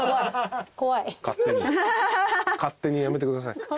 勝手にやめてください。